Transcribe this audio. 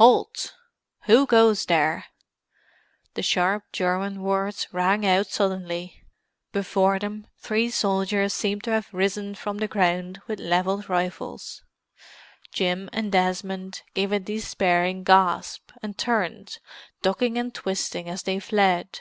"Halt! Who goes there?" The sharp German words rang out suddenly. Before them three soldiers seemed to have risen from the ground with levelled rifles. Jim and Desmond gave a despairing gasp, and turned, ducking and twisting as they fled.